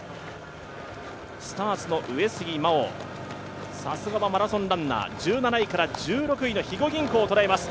スターツの上杉真穂、さすがはマラソンランナー１７位から１６位の肥後銀行を捉えます。